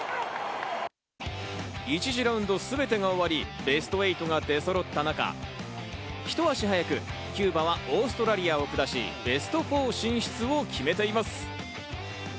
１次ラウンド全てが終わり、ベスト８が出揃った中、ひと足早くキューバはオーストラリアを下し、ベスト４進出を決めています。